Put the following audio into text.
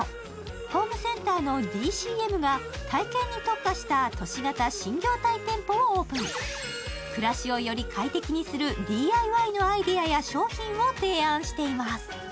ホームセンターのＤＣＭが体験に特化した都市型新業態店舗をオープン暮らしをより快適にするＤＩＹのアイデアや商品を提案しています